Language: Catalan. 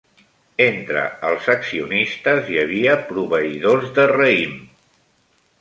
Entre els accionistes hi havia proveïdors de raïm.